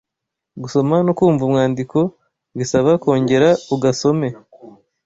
Gusoma no kumva umwandiko bisaba kOngera ugasome